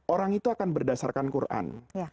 orang itu akan berdasarkan quran